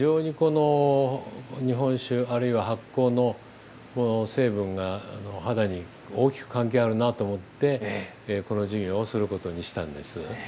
日本酒や発酵の成分が肌に大きく関係あるんだと思ってこの事業をすることにしたんです。